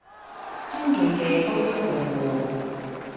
尊敬嘅高級用戶